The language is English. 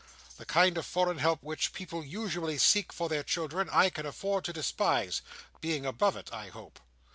The kind of foreign help which people usually seek for their children, I can afford to despise; being above it, I hope.